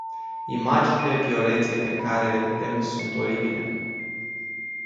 Imaginile violenței pe care le vedem sunt oribile.